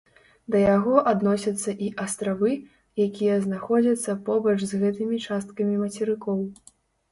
Да яго адносяцца і астравы, якія знаходзяцца побач з гэтымі часткамі мацерыкоў.